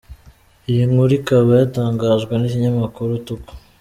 Iyi nkuru ikaba yatangajwe n’ikinyamakuru Tuko